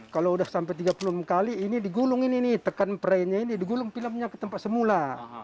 kalau sudah sampai tiga puluh lima kali ini digulung ini nih tekan perainya ini digulung filmnya ke tempat semula